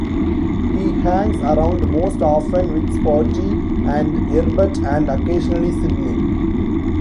He hangs around most often with Spotty and 'Erbert and, occasionally, Sidney.